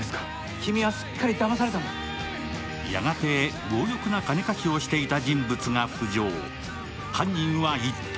・君はすっかりだまされたんだやがて強欲な金貸しをしていた人物が浮上犯人は一体？